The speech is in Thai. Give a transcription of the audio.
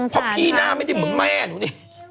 เพราะพี่หน้าไม่ได้เหมือนแม่หนูนี่